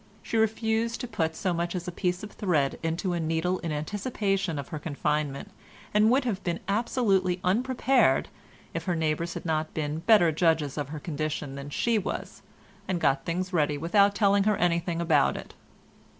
She refused to put so much as a piece of thread into a needle in anticipation of her confinement and would have been absolutely unprepared, if her neighbours had not been better judges of her condition than she was, and got things ready without telling her anything about it.